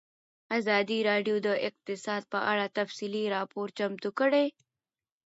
ازادي راډیو د اقتصاد په اړه تفصیلي راپور چمتو کړی.